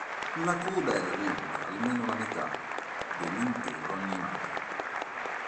La coda era lunga almeno la metà dell'intero animale.